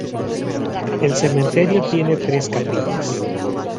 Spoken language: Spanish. El cementerio tiene tres capillas.